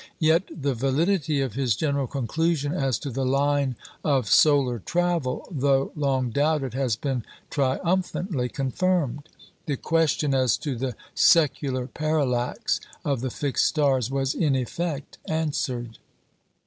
Yet the validity of his general conclusion as to the line of solar travel, though long doubted, has been triumphantly confirmed. The question as to the "secular parallax" of the fixed stars was in effect answered.